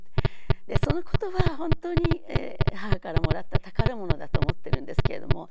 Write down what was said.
その言葉は本当に母からもらった宝物だと思ってるんですけれども。